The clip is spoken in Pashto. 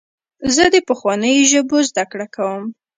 زه د پخوانیو ژبو زدهکړه کوم.